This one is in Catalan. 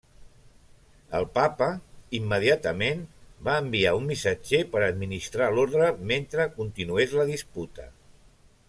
El papa, immediatament, va enviar un missatger per administrar l'Orde mentre continués la disputa.